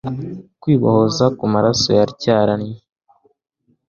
Kwibohoza kumaraso ya Tyarannyi